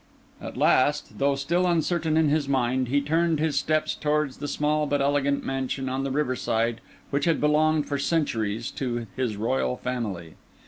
At last, though still uncertain in his mind, he turned his steps towards the small but elegant mansion on the river side which had belonged for centuries to his royal family.